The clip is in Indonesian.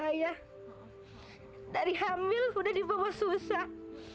saya dari hamil udah dibawa susah